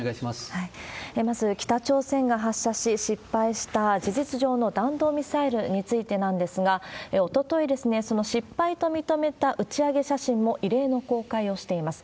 まず、北朝鮮が発射し、失敗した、事実上の弾道ミサイルについてなんですが、おとといですね、その失敗と認めた打ち上げ写真も異例の公開をしています。